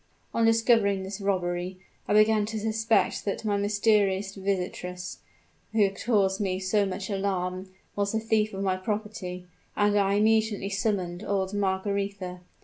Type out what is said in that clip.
"On discovering this robbery, I began to suspect that my mysterious visitress, who had caused me so much alarm, was the thief of my property; and I immediately summoned old Margaretha.